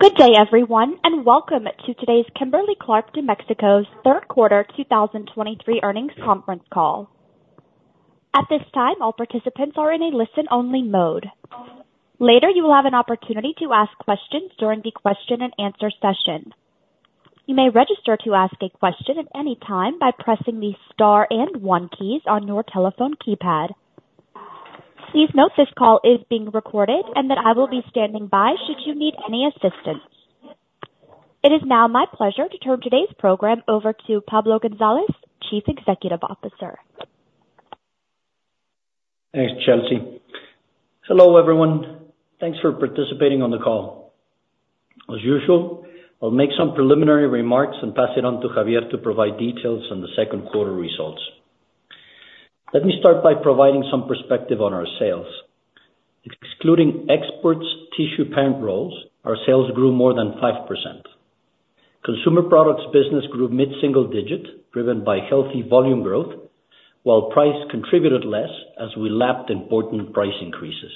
Good day, everyone, and welcome to today's Kimberly-Clark de México's Q3 2023 Earnings Conference Call. At this time, all participants are in a listen-only mode. Later, you will have an opportunity to ask questions during the question and answer session. You may register to ask a question at any time by pressing the star and one keys on your telephone keypad. Please note, this call is being recorded, and that I will be standing by should you need any assistance. It is now my pleasure to turn today's program over to Pablo González, Chief Executive Officer. Thanks, Chelsea. Hello, everyone. Thanks for participating on the call. As usual, I'll make some preliminary remarks and pass it on to Xavier to provide details on the Q2 results. Let me start by providing some perspective on our sales. Excluding exports tissue parent rolls, our sales grew more than 5%. Consumer Products business grew mid-single-digit, driven by healthy volume growth, while price contributed less as we lapped important price increases.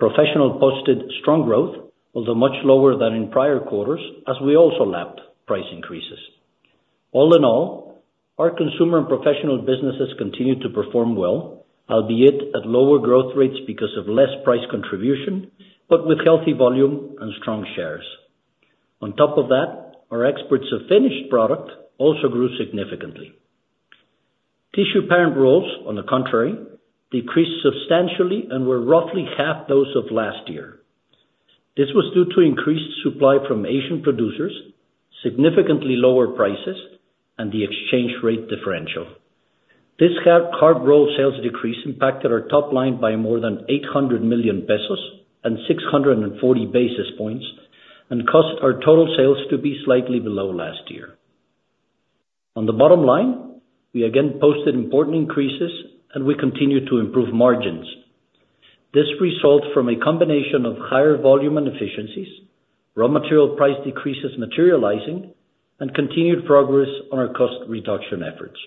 Professional posted strong growth, although much lower than in prior quarters, as we also lapped price increases. All in all, our Consumer and Professional businesses continued to perform well, albeit at lower growth rates because of less price contribution, but with healthy volume and strong shares. On top of that, our exports of finished product also grew significantly. Tissue parent rolls, on the contrary, decreased substantially and were roughly half those of last year. This was due to increased supply from Asian producers, significantly lower prices, and the exchange rate differential. This parent roll sales decrease impacted our top line by more than 800 million pesos and 640 basis points, and caused our total sales to be slightly below last year. On the bottom line, we again posted important increases and we continued to improve margins. This result from a combination of higher volume and efficiencies, raw material price decreases materializing, and continued progress on our cost reduction efforts.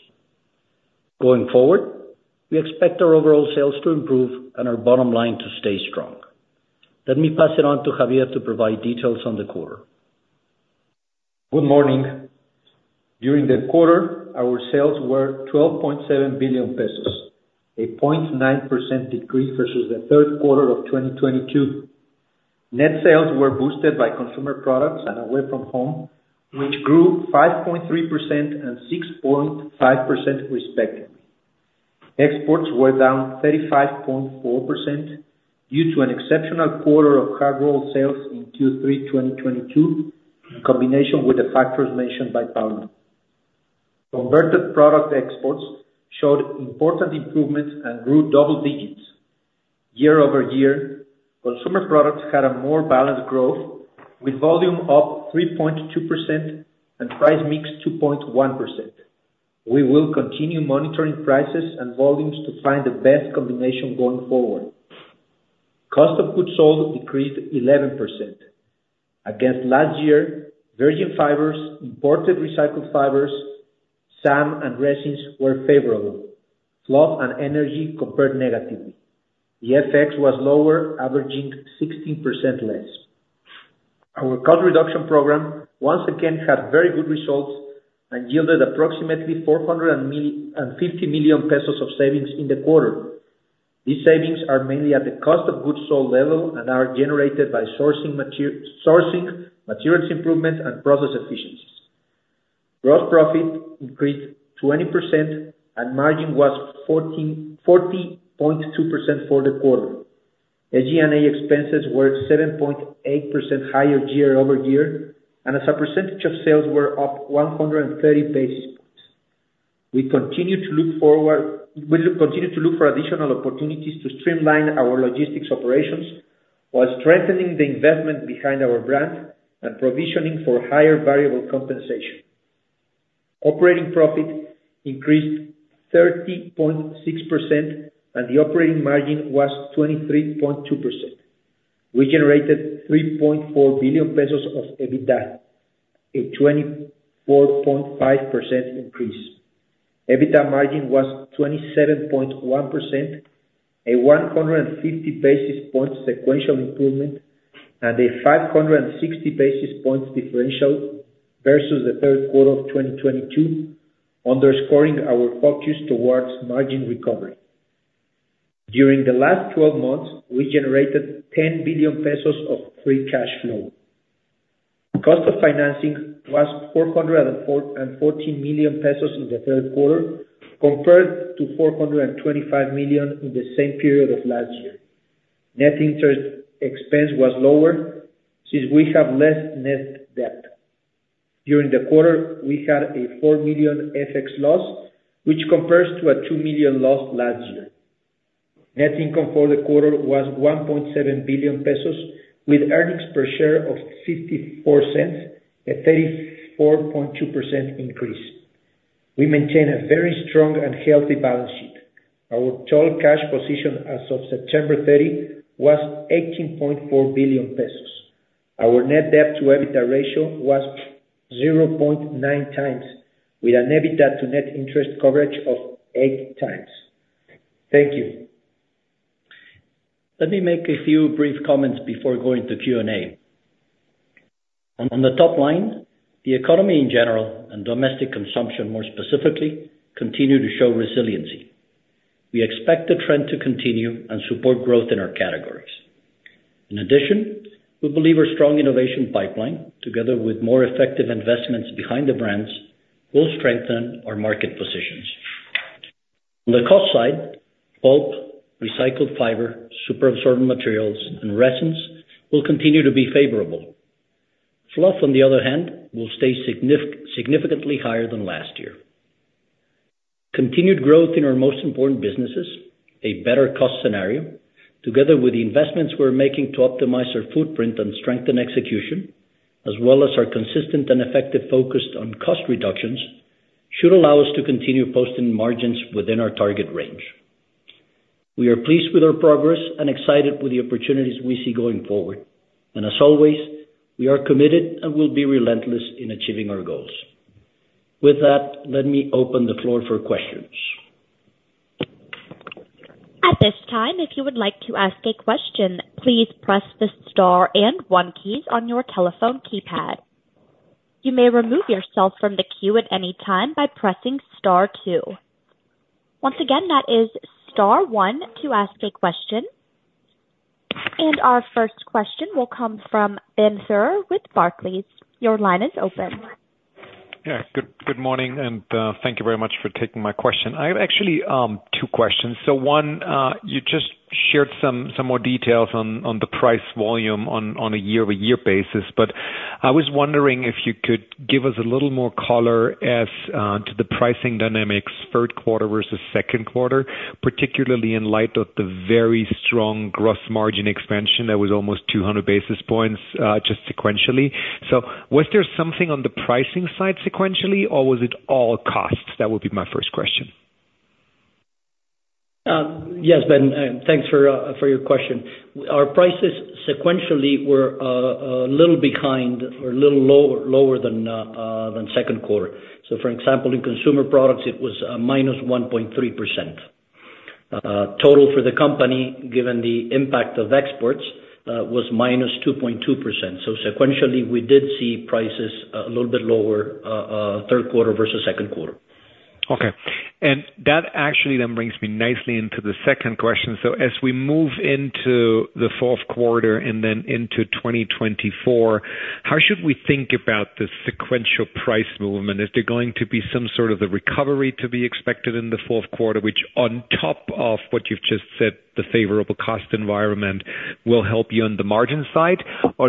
Going forward, we expect our overall sales to improve and our bottom line to stay strong. Let me pass it on to Xavier to provide details on the quarter. Good morning. During the quarter, our sales were 12.7 billion pesos, a 0.9% decrease versus the Q3 of 2022. Net sales were boosted by consumer products and away-from-home, which grew 5.3% and 6.5%, respectively. Exports were down 35.4% due to an exceptional quarter of parent roll sales in Q3 2022, in combination with the factors mentioned by Pablo. Converted product exports showed important improvements and grew double digits. Year-over-year, consumer products had a more balanced growth, with volume up 3.2% and price mix 2.1%. We will continue monitoring prices and volumes to find the best combination going forward. Cost of goods sold decreased 11%. Against last year, virgin fibers, imported recycled fibers, SAM, and resins were favorable. Fluff and energy compared negatively. The FX was lower, averaging 16% less. Our cost reduction program once again had very good results and yielded approximately 450 million pesos of savings in the quarter. These savings are mainly at the cost of goods sold level and are generated by sourcing, materials improvement, and process efficiencies. Gross profit increased 20% and margin was 40.2% for the quarter. SG&A expenses were 7.8 higher year-over-year, and as a percentage of sales were up 130 basis points. We continue to look for additional opportunities to streamline our logistics operations while strengthening the investment behind our brand and provisioning for higher variable compensation. Operating profit increased 30.6%, and the operating margin was 23.2%. We generated 3.4 billion pesos of EBITDA, a 24.5% increase. EBITDA margin was 27.1%, a 150 basis points sequential improvement, and a 560 basis points differential versus the Q3 of 2022, underscoring our focus towards margin recovery. During the last 12 months, we generated 10 billion pesos of free cash flow. Cost of financing was 414 million pesos in the Q3, compared to 425 million in the same period of last year. Net interest expense was lower, since we have less net debt. During the quarter, we had a 4 million FX loss, which compares to a 2 million loss last year. Net income for the quarter was 1.7 billion pesos, with earnings per share of 0.64, a 34.2% increase. We maintain a very strong and healthy balance sheet. Our total cash position as of September 30 was 18.4 billion pesos. Our net debt to EBITDA ratio was 0.9x, with an EBITDA to net interest coverage of 8x. Thank you. Let me make a few brief comments before going to Q&A. On the top line, the economy in general, and domestic consumption, more specifically, continue to show resiliency. We expect the trend to continue and support growth in our categories. In addition, we believe our strong innovation pipeline, together with more effective investments behind the brands, will strengthen our market positions. On the cost side, pulp, recycled fiber, super absorbent materials, and resins will continue to be favorable. Fluff, on the other hand, will stay significantly higher than last year. Continued growth in our most important businesses, a better cost scenario, together with the investments we're making to optimize our footprint and strengthen execution, as well as our consistent and effective focus on cost reductions, should allow us to continue posting margins within our target range. We are pleased with our progress and excited with the opportunities we see going forward. As always, we are committed and will be relentless in achieving our goals. With that, let me open the floor for questions. At this, time if you would like to ask a question, please press the star and one key on your telephone keypad. You may remove yourself from the queue at anytime by pressing star two. Once again, that is star one to ask a question. And our first question will come from Ben Theurer with Barclays. Your line is open. Yeah, good morning, and thank you very much for taking my question. I have actually two questions. One, you just shared some more details on the price volume on a year-over-year basis, but I was wondering if you could give us a little more color as to the pricing dynamics, Q3 versus Q2, particularly in light of the very strong gross margin expansion that was almost 200 basis points just sequentially. Was there something on the pricing side sequentially, or was it all costs? That would be my first question. Yes, Ben, thanks for your question. Our prices sequentially were a little behind or a little lower than Q2. For example, in Consumer Products, it was -1.3%. Total for the company, given the impact of exports, was -2.2%. Sequentially, we did see prices a little bit lower Q3 versus Q2. Okay. That actually then brings me nicely into the second question. As we move into the Q4 and then into 2024, how should we think about the sequential price movement? Is there going to be some sort of a recovery to be expected in the Q4, which on top of what you've just said, the favorable cost environment will help you on the margin side?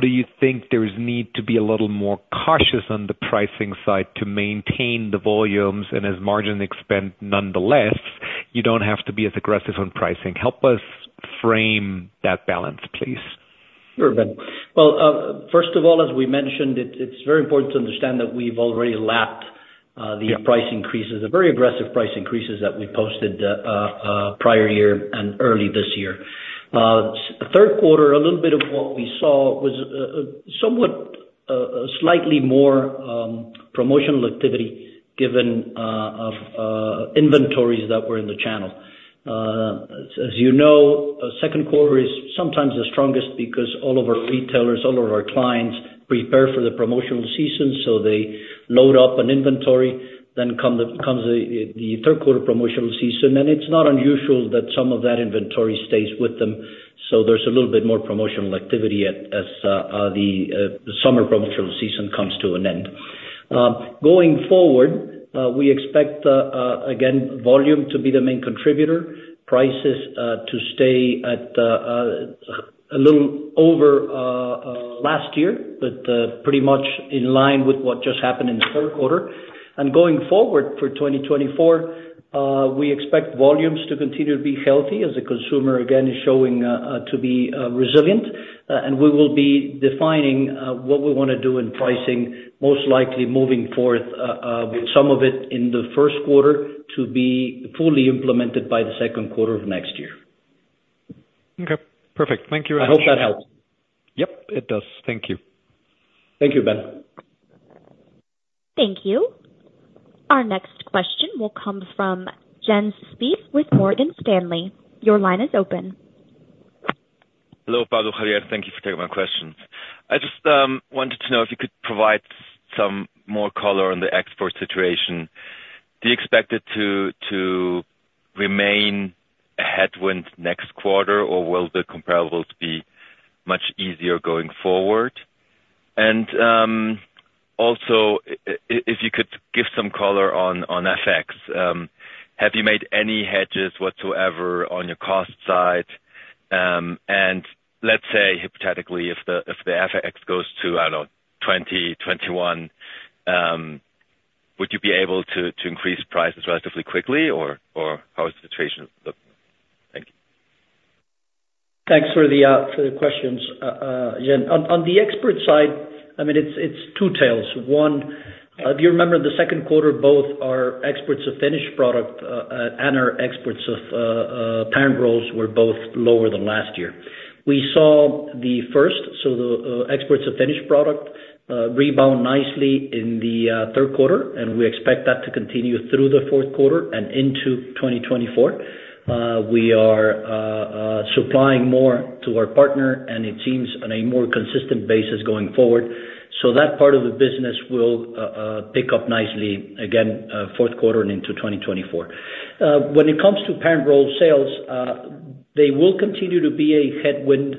Do you think there is need to be a little more cautious on the pricing side to maintain the volumes, and as margin expand nonetheless, you don't have to be as aggressive on pricing? Help us frame that balance, please. Sure, Ben. Well, first of all, as we mentioned, it's very important to understand that we've already lapped. Yeah The price increases, the very aggressive price increases that we posted prior year and early this year. Q3, a little bit of what we saw was somewhat slightly more promotional activity, given of inventories that were in the channel. As you know, Q2 is sometimes the strongest because all of our retailers, all of our clients prepare for the promotional season, so they load up an inventory, then comes the Q3 promotional season, and it's not unusual that some of that inventory stays with them. There's a little bit more promotional activity as the summer promotional season comes to an end. Going forward, we expect, again, volume to be the main contributor, prices to stay at a little over last year, but pretty much in line with what just happened in the Q3. Going forward, for 2024, we expect volumes to continue to be healthy, as the consumer, again, is showing to be resilient. We will be defining what we wanna do in pricing, most likely moving forth with some of it in the Q1 to be fully implemented by the Q2 of next year. Okay, perfect. Thank you. I hope that helps. Yep, it does. Thank you. Thank you, Ben. Thank you. Our next question will come from Jens Spiess with Morgan Stanley. Your line is open. Hello, Pablo, Xavier. Thank you for taking my question. I just wanted to know if you could provide some more color on the export situation. Do you expect it to remain a headwind next quarter, or will the comparables be much easier going forward? Also, if you could give some color on FX. Have you made any hedges whatsoever on your cost side? Let's say, hypothetically, if the FX goes to, I don't know, 20-21, would you be able to increase prices relatively quickly or how is the situation looking? Thank you. Thanks for the questions, Jens. On the export side, I mean, it's two tales. Do you remember the Q2? Both our exports of finished product and our exports of parent rolls were both lower than last year. We saw the exports of finished product rebound nicely in the Q3, and we expect that to continue through the Q4 and into 2024. We are supplying more to our partner and it seems on a more consistent basis going forward. That part of the business will pick up nicely again, Q4 and into 2024. When it comes to parent roll sales, they will continue to be a headwind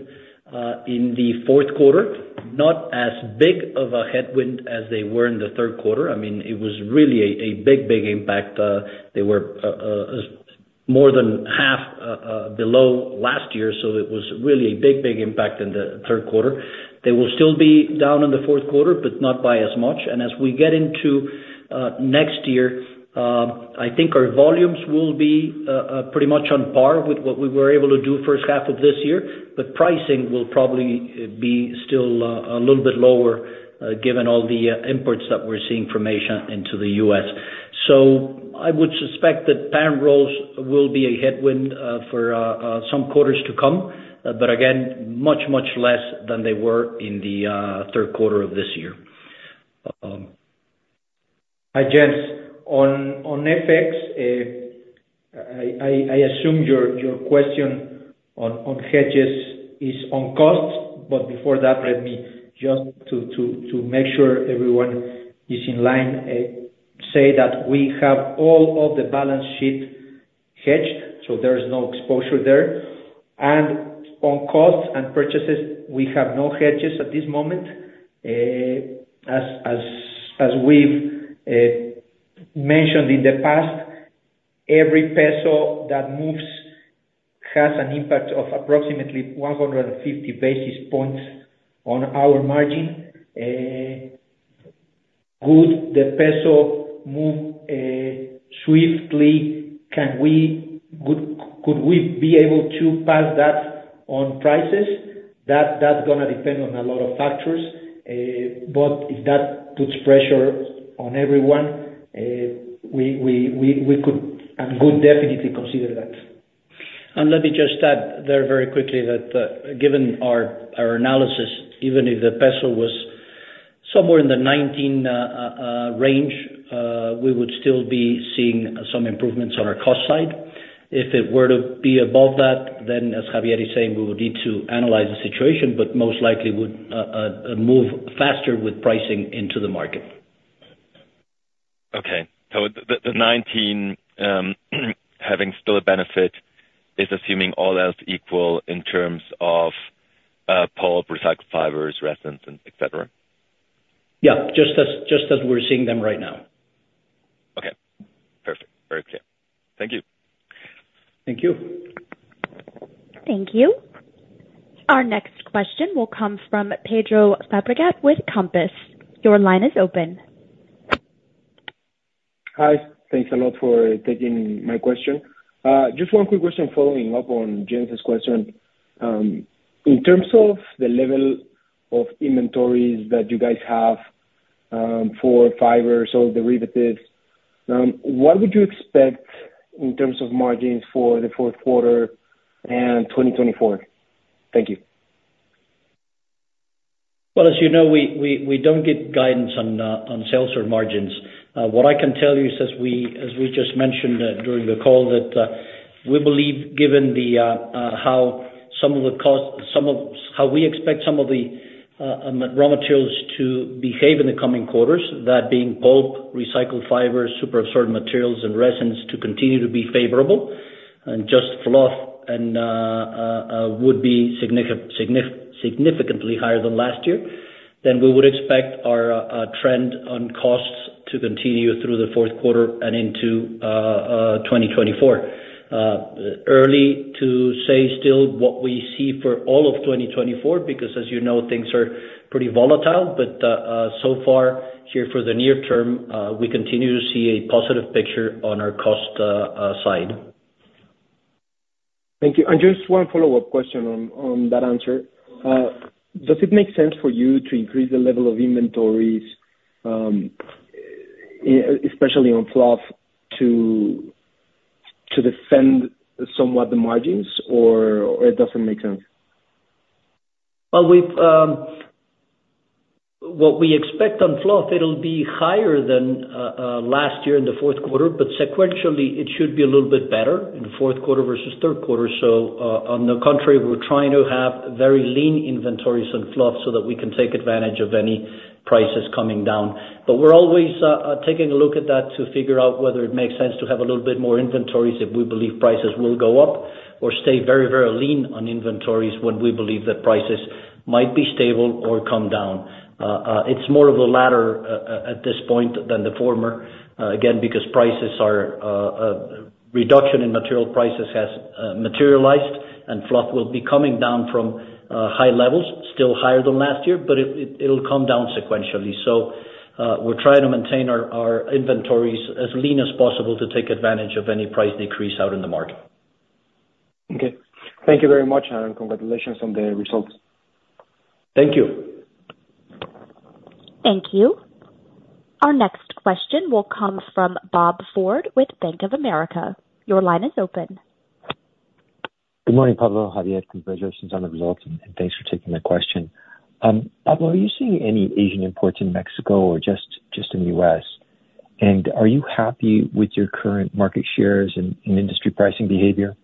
in the Q4, not as big of a headwind as they were in the Q3. I mean, it was really a big, big impact. They were more than half below last year, so it was really a big, big impact in the Q3. They will still be down in the Q4, but not by as much. As we get into next year, I think our volumes will be pretty much on par with what we were able to do first half of this year, but pricing will probably be still a little bit lower given all the imports that we're seeing from Asia into the U.S. I would suspect that parent rolls will be a headwind for some quarters to come, but again, much, much less than they were in the Q3 of this year. Hi, Jens. On FX, I assume your question on hedges is on costs, but before that, let me just to make sure everyone is in line, say that we have all of the balance sheet hedged, so there is no exposure there. On costs and purchases, we have no hedges at this moment. As we've mentioned in the past, every peso that moves has an impact of approximately 150 basis points on our margin. Could the peso move swiftly? Could we be able to pass that on prices? That's gonna depend on a lot of factors, but if that puts pressure on everyone, we could and would definitely consider that. Let me just add there very quickly that given our analysis, even if the peso was somewhere in the 19 range, we would still be seeing some improvements on our cost side. If it were to be above that, then as Xavier is saying, we would need to analyze the situation, but most likely would move faster with pricing into the market. The 2019, having still a benefit is assuming all else equal in terms of pulp, recycled fibers, resins, and et cetera? Yeah, just as we're seeing them right now. Okay. Perfect. Very clear. Thank you. Thank you. Thank you. Our next question will come from Pedro Fabregat with Compass. Your line is open. Hi. Thanks a lot for taking my question. Just one quick question following up on Jens's question. In terms of the level of inventories that you guys have for fiber, so derivatives, what would you expect in terms of margins for the Q4 and 2024? Thank you. Well, as you know, we don't give guidance on sales or margins. What I can tell you is, as we just mentioned during the call, that we believe, given how we expect some of the raw materials to behave in the coming quarters, that being pulp, recycled fibers, super absorbent materials, and resins, to continue to be favorable, and just fluff would be significantly higher than last year, then we would expect our trend on costs to continue through the Q4 and into 2024. Early to say still what we see for all of 2024, because as you know, things are pretty volatile, but so far here for the near term, we continue to see a positive picture on our cost side. Thank you. Just one follow-up question on that answer. Does it make sense for you to increase the level of inventories, especially on fluff, to defend somewhat the margins or it doesn't make sense? Well, what we expect on fluff, it'll be higher than last year in the Q4, but sequentially, it should be a little bit better in the Q4 versus Q3. On the contrary, we're trying to have very lean inventories on fluff so that we can take advantage of any prices coming down. We're always taking a look at that to figure out whether it makes sense to have a little bit more inventories if we believe prices will go up, or stay very, very lean on inventories when we believe that prices might be stable or come down. It's more of the latter at this point than the former, again, because prices are. Reduction in material prices has materialized, and fluff will be coming down from high levels, still higher than last year, but it'll come down sequentially. We're trying to maintain our inventories as lean as possible to take advantage of any price decrease out in the market. Okay, thank you very much, and congratulations on the results. Thank you. Thank you. Our next question will come from Bob Ford with Bank of America. Your line is open. Good morning, Pablo, Xavier, congratulations on the results, and thanks for taking my question. Pablo, are you seeing any Asian imports in Mexico or just in the U.S.? Are you happy with your current market shares and industry pricing behavior?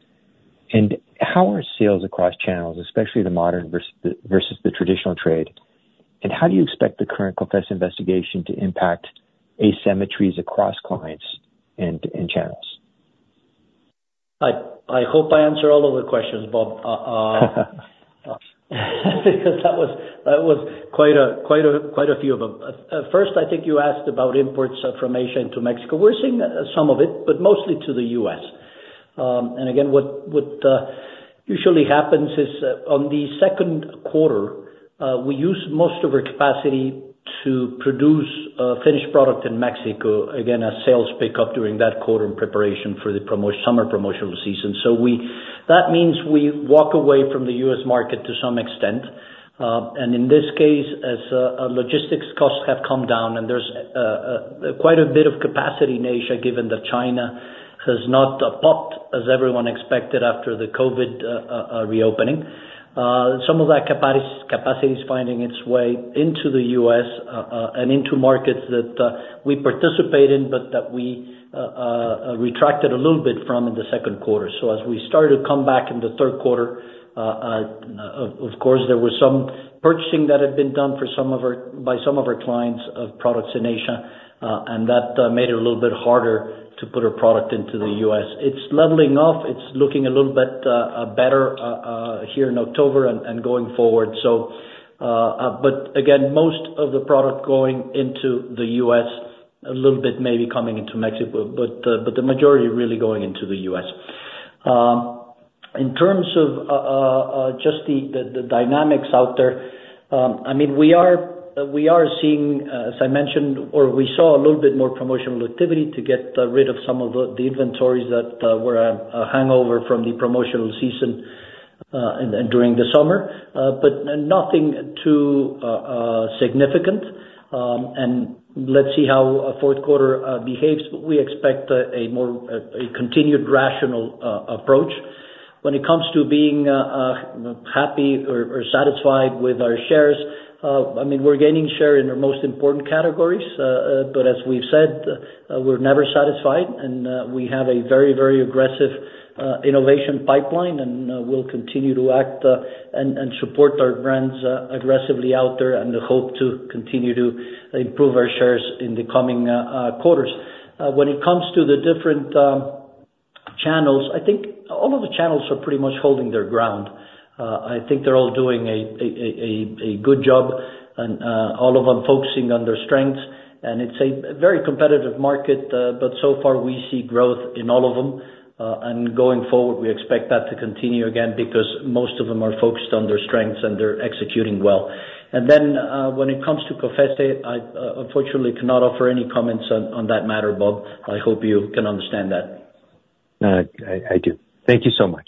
How are sales across channels, especially the modern versus the traditional trade? How do you expect the current COFECE investigation to impact asymmetries across clients and channels? I hope I answer all of the questions, Bob, because that was quite a few of them. First, I think you asked about imports from Asia into Mexico. We're seeing some of it, but mostly to the U.S. Again, what usually happens is, on the Q2, we use most of our capacity to produce finished product in Mexico, again, as sales pick up during that quarter in preparation for the summer promotional season. That means we walk away from the U.S. market to some extent, and in this case, as logistics costs have come down and there's quite a bit of capacity in Asia, given that China has not popped, as everyone expected after the COVID reopening. Some of that capacity is finding its way into the U.S. and into markets that we participate in, but that we retracted a little bit from in the Q2. As we started to come back in the Q3, of course, there was some purchasing that had been done for some of our, by some of our clients of products in Asia, and that made it a little bit harder to put our product into the U.S. It's leveling off, it's looking a little bit better here in October and going forward, but again, most of the product going into the U.S., a little bit maybe coming into Mexico, but the majority really going into the U.S. In terms of just the dynamics out there, I mean, we are seeing, as I mentioned, or we saw a little bit more promotional activity to get rid of some of the inventories that were hangover from the promotional season and during the summer, but nothing too significant. Let's see how Q4 behaves, but we expect a more continued rational approach. When it comes to being happy or satisfied with our shares, I mean, we're gaining share in our most important categories, but as we've said, we're never satisfied, and we have a very, very aggressive innovation pipeline. We'll continue to act and support our brands aggressively out there and hope to continue to improve our shares in the coming quarters. When it comes to the different channels, I think all of the channels are pretty much holding their ground. I think they're all doing a good job and all of them focusing on their strengths, and it's a very competitive market, but so far we see growth in all of them, and going forward, we expect that to continue again, because most of them are focused on their strengths, and they're executing well. When it comes to COFECE, I unfortunately cannot offer any comments on that matter, Bob. I hope you can understand that. I do. Thank you so much.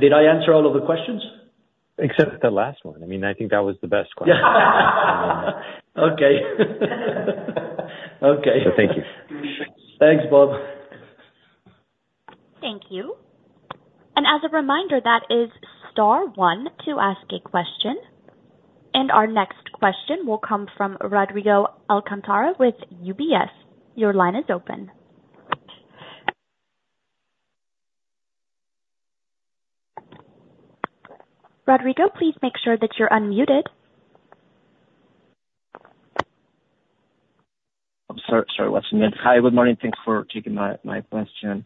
Did I answer all of the questions? Wait, I just noticed the "Except the last one." Is it possible. Okay. Okay. Thank you. Thanks, Bob. Thank you. As a reminder, that is star one to ask a question, and our next question will come from Rodrigo Alcántara with UBS. Your line is open. Rodrigo, please make sure that you're unmuted. I'm sorry, sorry. Hi, good morning. Thanks for taking my, my question.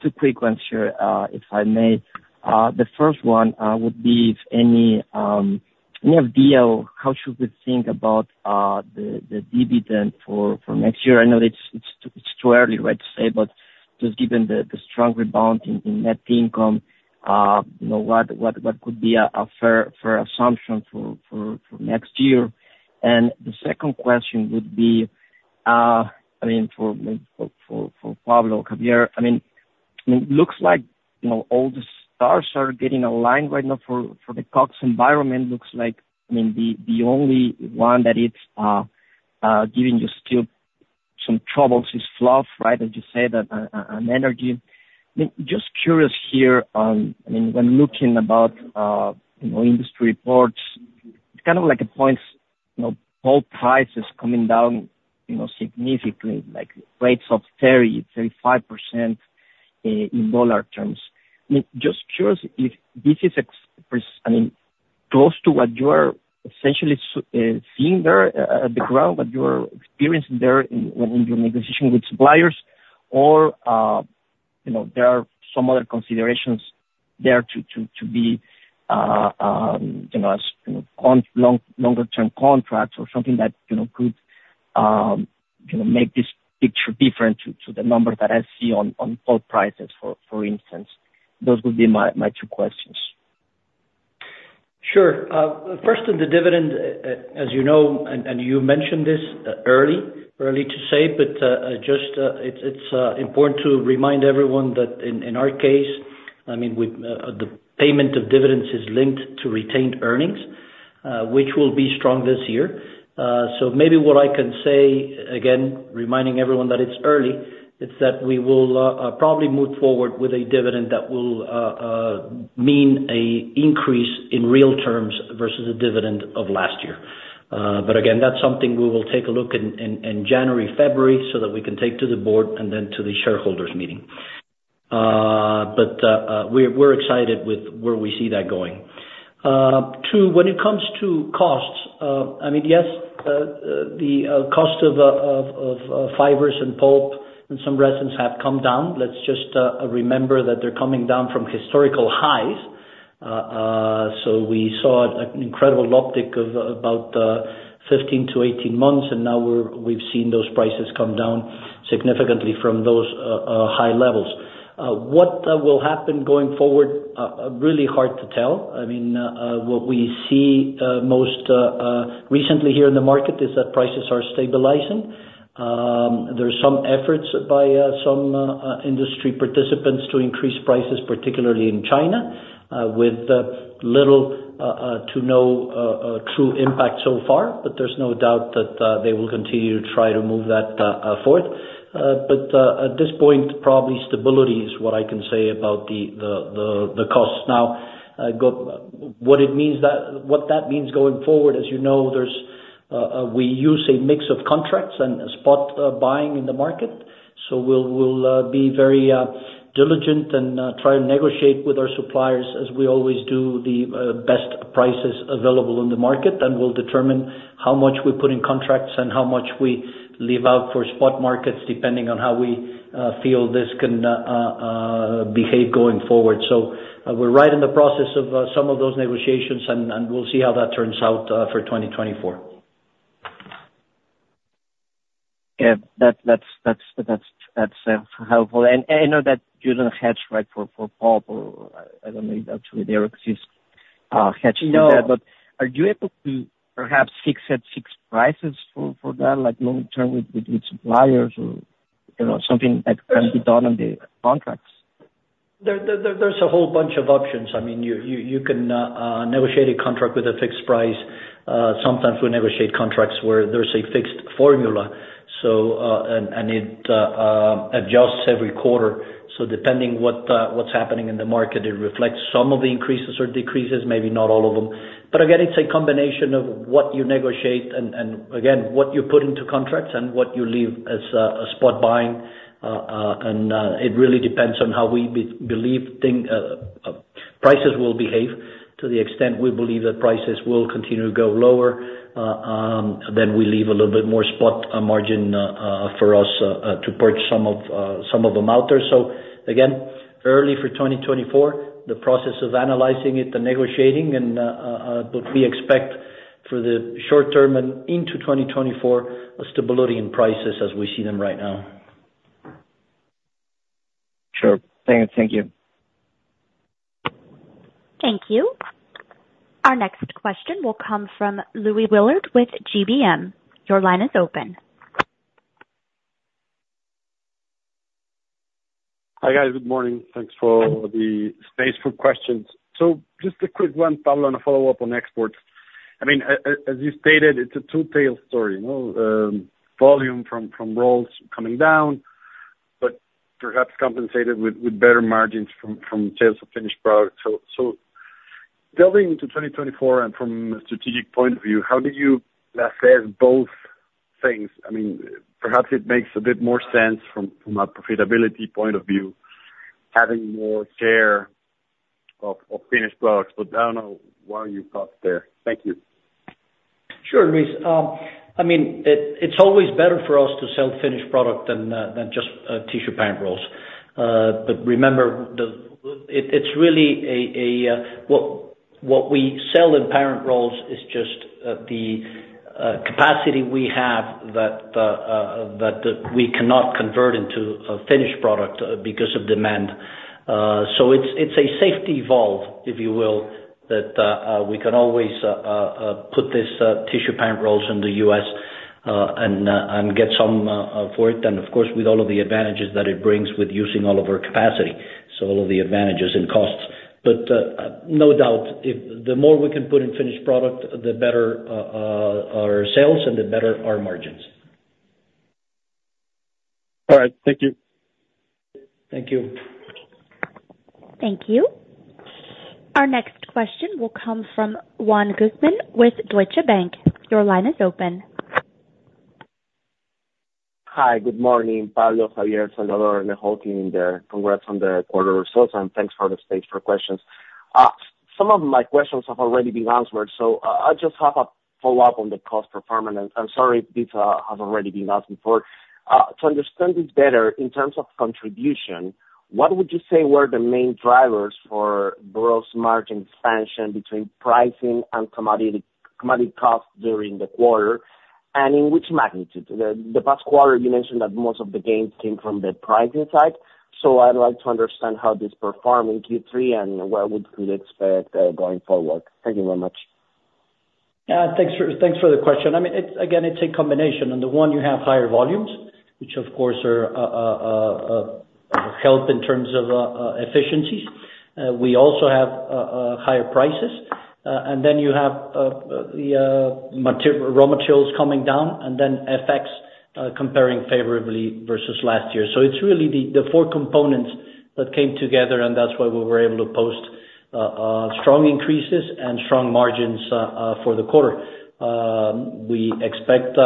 Two quick ones here if I may. The first one would be if any idea how should we think about the dividend for next year? I know it's, it's, it's too early, right, to say, but just given the strong rebound in net income, you know, what, what, what could be a fair, fair assumption for next year? The second question would be, I mean, for Pablo, Xavier, I mean, it looks like, you know, all the stars are getting aligned right now for the COGS environment. Looks like, I mean, the only one that it's giving you still some troubles is fluff, right? As you said, and energy. Just curious here on, I mean, when looking about, you know, industry reports, kind of like a points, you know, pulp prices coming down, you know, significantly, like rates of 30%-35% in dollar terms. I mean, just curious if this is close to what you are essentially seeing there at the ground, but you're experiencing there in, when you make decision with suppliers or, you know, there are some other considerations there to be, you know, as, on longer-term contracts or something that, you know, could, you know, make this picture different to the number that I see on pulp prices for instance? Those would be my two questions. Sure. First on the dividend, as you know, and you mentioned this early to say, but just it's important to remind everyone that in our case, I mean, with the payment of dividends is linked to retained earnings which will be strong this year. Maybe what I can say, again, reminding everyone that it's early, it's that we will probably move forward with a dividend that will mean a increase in real terms versus the dividend of last year. But again, that's something we will take a look in January, February, so that we can take to the Board and then to the shareholders meeting. We're excited with where we see that going. Two, when it comes to costs, I mean, yes, the cost of fibers and pulp and some resins have come down. Let's just remember that they're coming down from historical highs. We saw an incredible uptick of about 15-18 months, and now we've seen those prices come down significantly from those high levels. What will happen going forward, really hard to tell. I mean, what we see most recently here in the market is that prices are stabilizing. There's some efforts by some industry participants to increase prices, particularly in China, with little to no true impact so far, but there's no doubt that they will continue to try to move that forth. At this point, probably stability is what I can say about the costs. Now, what that means going forward, as you know, we use a mix of contracts and spot buying in the market. We'll be very diligent and try and negotiate with our suppliers, as we always do, the best prices available in the market. We'll determine how much we put in contracts and how much we leave out for spot markets, depending on how we feel this can behave going forward. We're right in the process of some of those negotiations, and we'll see how that turns out for 2024. Yeah, that's helpful. I know that you don't hedge, right, for pulp, or I don't think actually there exists hedging for that. No. Are you able to perhaps fix at six prices for that, like long term with suppliers or, you know, something that can be done on the contracts? There's a whole bunch of options. I mean, you can negotiate a contract with a fixed price. Sometimes we negotiate contracts where there's a fixed formula, and it adjusts every quarter. Depending what's happening in the market, it reflects some of the increases or decreases, maybe not all of them. Again, it's a combination of what you negotiate and again, what you put into contracts and what you leave as spot buying. It really depends on how we believe prices will behave. To the extent we believe that prices will continue to go lower, then we leave a little bit more spot margin for us to purge some of them out there. Again, early for 2024, the process of analyzing it and negotiating, but we expect for the short term and into 2024, a stability in prices as we see them right now. Sure. Thank you. Thank you. Our next question will come from Luis Willard with GBM. Your line is open. Hi, guys. Good morning. Thanks for the space for questions. Just a quick one, Pablo, and a follow-up on exports. I mean, as you stated, it's a two-tail story, you know, volume from rolls coming down, but perhaps compensated with better margins from sales of finished products. Delving into 2024, and from a strategic point of view, how did you assess both things? I mean, perhaps it makes a bit more sense from a profitability point of view, having more share of finished products, but I don't know why you got there. Thank you. Sure, Luis. I mean, it's always better for us to sell finished product than just tissue parent rolls. But remember, it's really what we sell in parent rolls is just the capacity we have that we cannot convert into a finished product because of demand. It's a safety valve, if you will, that we can always put this tissue parent rolls in the U.S. and get some for it, and of course, with all of the advantages that it brings with using all of our capacity, so all of the advantages and costs. But no doubt, if the more we can put in finished product, the better our sales and the better our margins. All right. Thank you. Thank you. Thank you. Our next question will come from Juan Guzmán with Deutsche Bank. Your line is open. Hi, good morning, Pablo, Xavier, Salvador, and the whole team there. Congrats on the quarter results, and thanks for the space for questions. Some of my questions have already been answered, so I just have a follow-up on the cost performance. I'm sorry if these have already been asked before. To understand this better, in terms of contribution, what would you say were the main drivers for gross margin expansion between pricing and commodity costs during the quarter and in which magnitude? The past quarter, you mentioned that most of the gains came from the pricing side, so I'd like to understand how this perform in Q3 and what would we expect going forward. Thank you very much. Thanks for the question. I mean, it's, again, it's a combination. On the one, you have higher volumes, which of course help in terms of efficiencies. We also have higher prices, and then you have the raw materials coming down and then FX comparing favorably versus last year. It's really the four components that came together, and that's why we were able to post strong increases and strong margins for the quarter. We expect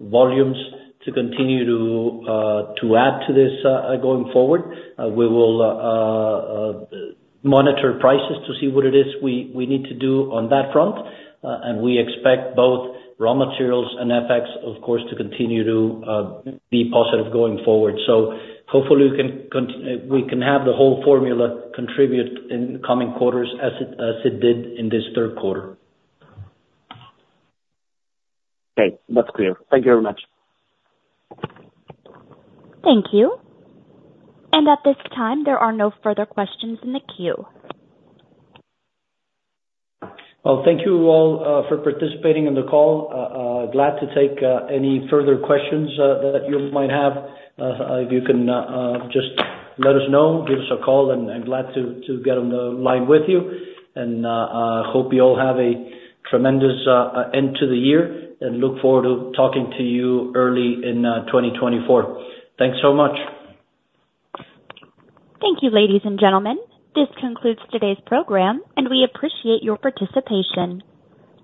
volumes to continue to add to this going forward. We will monitor prices to see what it is we need to do on that front, and we expect both raw materials and FX, of course, to continue to be positive going forward. Hopefully we can have the whole formula contribute in the coming quarters as it did in this Q3. Great. That's clear. Thank you very much. Thank you. At this time, there are no further questions in the queue. Well, thank you all for participating on the call. Glad to take any further questions that you might have. If you can just let us know, give us a call, and I'm glad to get on the line with you. Hope you all have a tremendous end to the year and look forward to talking to you early in 2024. Thanks so much. Thank you, ladies and gentlemen. This concludes today's program, and we appreciate your participation.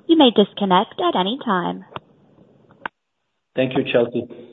You may disconnect at any time. Thank you, Chelsea.